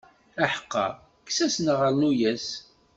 Aḥeqqaṛ, kkes-as neɣ rnu-yas.